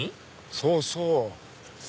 そうそう。